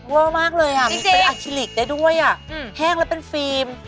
เว้อมากเลยเป็นอาคิลิกได้ด้วยแห้งแล้วเป็นฟิล์ม